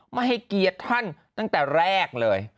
ไม่ให้เกียรติท่านตั้งแต่แรกเลย